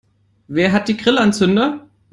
Wer hat die Grillanzünder?